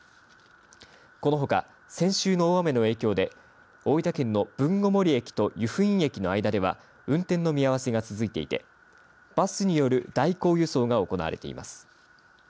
このほか先週の大雨の影響で大分県の豊後森駅と由布院駅の間では運転の見合わせが続いていてバスによる代行輸送が行われています。